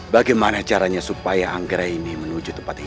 bagaimana caranya supaya anggra ini menuju tempat ini